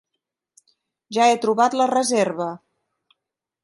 Ja he trobat la reserva.